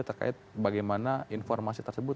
terkait bagaimana informasi tersebut